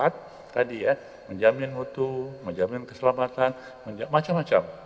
tadi ya menjamin mutu menjamin keselamatan macam macam